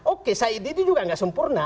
oke said ini juga nggak sempurna